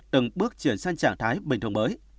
từng bước chuyển sang trạng thái bình thường mới